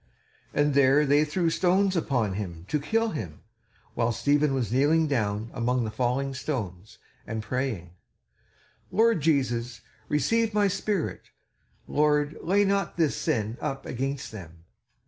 And there they threw stones upon him to kill him, while Stephen was kneeling down among the falling stones, and praying: "Lord Jesus, receive my spirit! Lord, lay not this sin up against them!"